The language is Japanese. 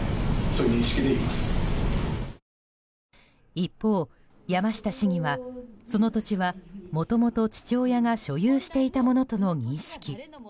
一方、山下市議はその土地はもともと父親が所有していたものとの認識。